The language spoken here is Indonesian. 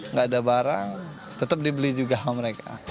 nggak ada barang tetap dibeli juga sama mereka